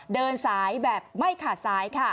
เดินสายแบบไม่ขาดสายค่ะ